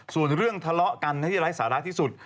ส่วนเรื่องทะเลาะกันที่ไร้สาระที่สุด